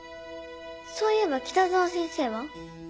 そういえば北澤先生は？